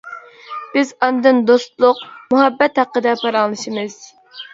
بىز ئاندىن دوستلۇق، مۇھەببەت ھەققىدە پاراڭلىشىمىز.